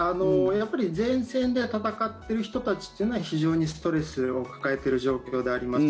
やっぱり前線で戦っている人たちというのは非常にストレスを抱えている状況であります。